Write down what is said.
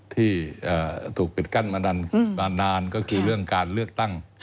ที่ถูกปิดกั้นมานานก็คือเรื่องการเลือกตั้ง